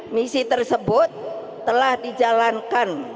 misi tersebut telah di jalankan